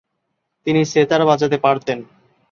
তিনি সেতার বাজাতে পারতেন।